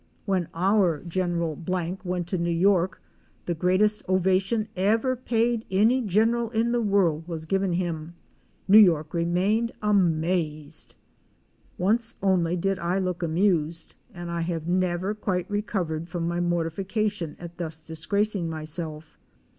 When our. General Blank went to New York the greatest ovation ever paid any general in the world was given him. New York remained amazed! "' Once only did I look amused and I have never quite recovered from my mortification at thus disgracing myself.